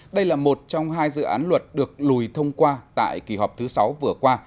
đây là một trong hai dự án luật được lùi thông qua tại kỳ họp thứ sáu vừa qua